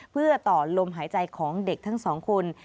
เพื่อต่อลมหายใจของเด็กทั้งสองคน